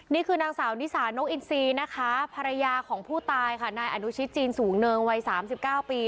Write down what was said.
นี่คือนางสาวนิสานกอินซีนะคะภรรยาของผู้ตายค่ะนายอนุชิตจีนสูงเนินวัย๓๙ปี